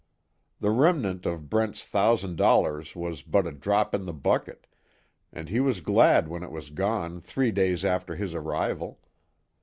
The remnant of Brent's thousand dollars was but a drop in the bucket, and he was glad when it was gone three days after his arrival.